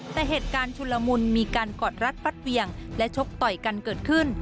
แต่เหตุการณ์ชุนละมุนมีการกอดรัดฟัดเวียงและชกต่อยกันเกิดขึ้น